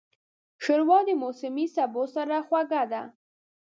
ښوروا د موسمي سبو سره خوږه ده.